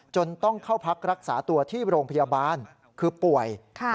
จนต้องเข้าพักรักษาตัวที่โรงพยาบาลคือป่วย